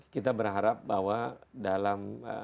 kita berharap bahwa dalam